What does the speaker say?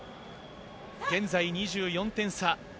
現在２４点差。